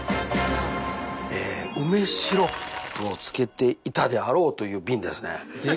梅シロップを漬けていたであろうという瓶ですね。